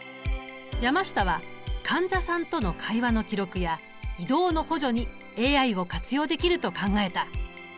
山下は患者さんとの会話の記録や移動の補助にＡＩを活用できると考えた。